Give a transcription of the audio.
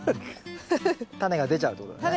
タネが出ちゃうってことだね。